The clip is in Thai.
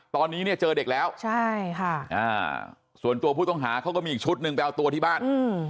ตอนนี้เนี่ยเจอเด็กแล้วใช่ค่ะอ่าส่วนตัวผู้ต้องหาเขาก็มีอีกชุดหนึ่งไปเอาตัวที่บ้าน